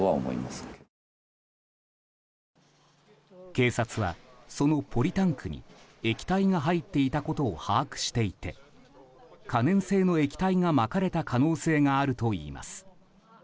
警察は、そのポリタンクに液体が入っていたことを把握していて可燃性の液体がまかれた可能性があるといいます。